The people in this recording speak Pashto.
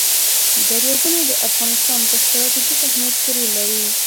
دریابونه د افغانستان په ستراتیژیک اهمیت کې رول لري.